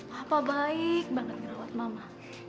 papa baik banget ngerawat mama